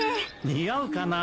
似合うかな。